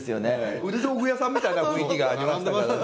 古道具屋さんみたいな雰囲気がありましたからね。